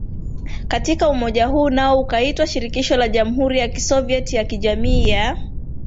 katika umoja huu nao ukaitwa Shirikisho la Jamhuri ya Kisovyiet ya Kijamii ya